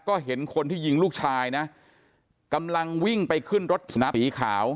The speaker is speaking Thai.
ก็เห็นคนที่ยิงลูกชายนะกำลังวิ่งไปขึ้นรถสุนัขสีขาว